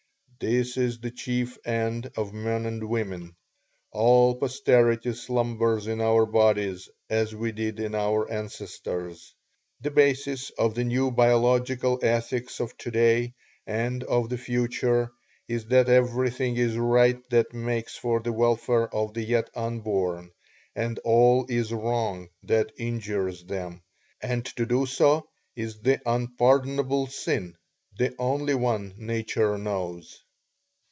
This is the chief end of men and women. All posterity slumbers in our bodies, as we did in our ancestors. The basis of the new biological ethics of today, and of the future, is that everything is right that makes for the welfare of the yet unborn, and all is wrong that injures them, and to do so is the unpardonable sin the only one nature knows."